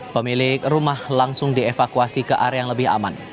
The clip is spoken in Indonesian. pemilik rumah langsung dievakuasi ke area yang lebih aman